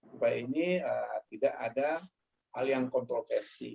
supaya ini tidak ada alian kontroversi